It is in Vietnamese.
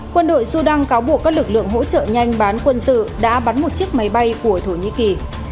quân đội sudan cáo buộc các lực lượng hỗ trợ nhanh bán quân sự đã bắn một chiếc máy bay của thổ nhĩ kỳ